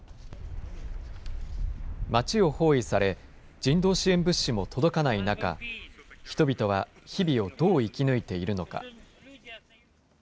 街を包囲され、人道支援物資も届かない中、人々は日々をどう生き抜いているのか。